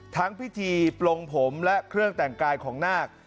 ทั้งพิธีปลงผมและเครื่องแต่งกายของนาค